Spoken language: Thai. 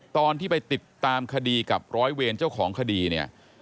ตอนที่ไปติดตามคดีกับร้อยเวรเจ้าของคดีเนี่ย